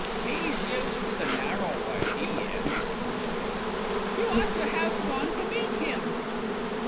"'E's used to the narrow way 'e is," he added. "You ought to have gone to meet him."